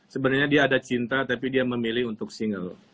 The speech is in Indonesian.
sebenarnya dia ada cinta tapi dia memilih untuk single